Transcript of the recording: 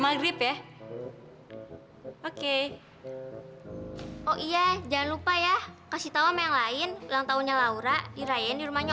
maghrib ya oke oh iya jangan lupa ya kasih tahu sama yang lain ulang tahunnya laura dirayain di rumahnya